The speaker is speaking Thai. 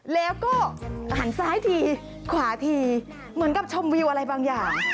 แล้วก็หันซ้ายทีขวาทีเหมือนกับชมวิวอะไรบางอย่าง